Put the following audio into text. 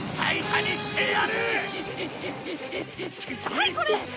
はいこれ！